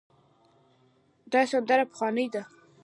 دا سندره پخوانۍ ده.